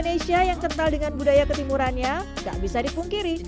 ketika kerajaan terkenal dengan budaya ketimurannya gak bisa dipungkiri